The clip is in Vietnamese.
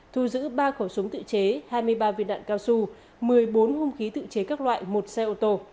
thu giữ ba khẩu súng tự chế hai mươi ba viên đạn cao su một mươi bốn hung khí tự chế các loại một xe ô tô